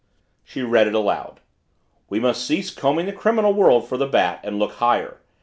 She read it aloud. "'We must cease combing the criminal world for the Bat and look higher.